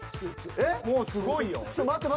［もうすごいよ］